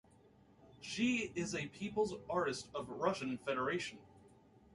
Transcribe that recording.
She is a People's Artist of Russian Federation.